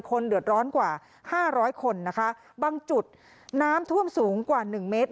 คนเดือดร้อนกว่าห้าร้อยคนนะคะบางจุดน้ำท่วมสูงกว่าหนึ่งเมตร